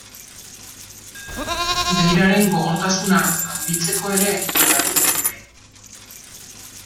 Beiraren gogortasuna handitzeko ere erabil daiteke.